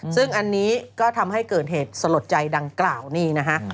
ซึ่งอันนี้ก็ทำให้เกิดเหตุสลดใจดังกล่าวนี่นะฮะ